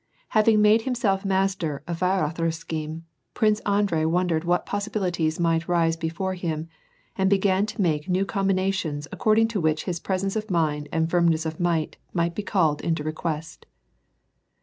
Having made himself master of Weirother's scheme, Prince Andrei wondered what possi bilities might rise before him, and began to make new combi nations according to which his presence of mind and firmness might be called into request.